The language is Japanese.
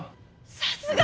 さすが！